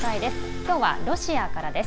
きょうはロシアからです。